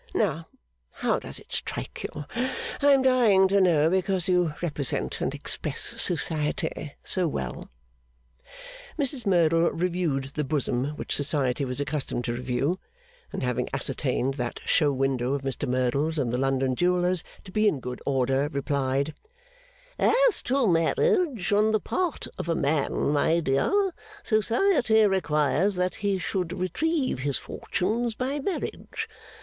Now, how does it strike you? I am dying to know, because you represent and express Society so well.' Mrs Merdle reviewed the bosom which Society was accustomed to review; and having ascertained that show window of Mr Merdle's and the London jewellers' to be in good order, replied: 'As to marriage on the part of a man, my dear, Society requires that he should retrieve his fortunes by marriage.